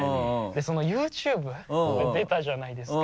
ＹｏｕＴｕｂｅ出たじゃないですか。